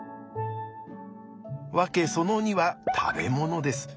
訳その２は食べ物です。